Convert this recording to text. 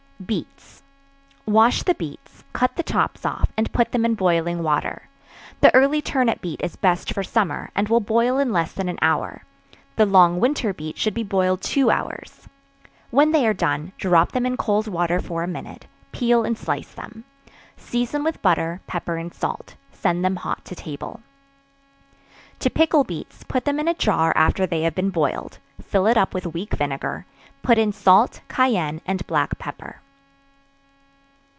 Beets. Wash the beets; cut the tops off, and put them in boiling water; the early turnip beet is best for summer, and will boil in less than an hour; the long winter beet should be boiled two hours, when they are done, drop them in cold water for a minute; peel and slice them; season with butter, pepper and salt; send them hot to table. To pickle beets, put them in a jar after they have been boiled; fill it up with weak vinegar; put in salt, cayenne and black pepper.